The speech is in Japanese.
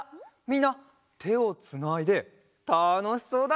みんなてをつないでたのしそうだね！